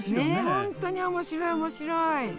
ほんとに面白い面白い！